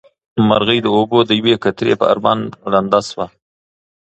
مرغۍ د اوبو د یوې قطرې په ارمان ړنده شوه.